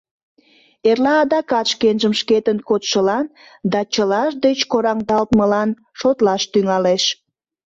Эрла адакат шкенжым шкетын кодшылан да чылашт деч кораҥдалтмылан шотлаш тӱҥалеш.